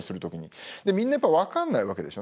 みんなやっぱ分かんないわけでしょうね。